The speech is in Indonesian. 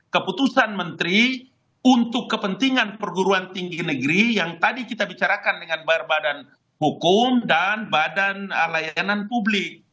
keputusan menteri untuk kepentingan perguruan tinggi negeri yang tadi kita bicarakan dengan berbadan hukum dan badan layanan publik